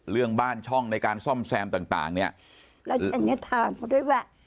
เรื่องบ้านช่องในการซ่อมแซมต่างต่างเนี้ยแล้วอันเนี้ยถามเขาด้วยว่า